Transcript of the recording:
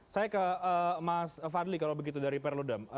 saya ke mas fadli kalau begitu dari perludem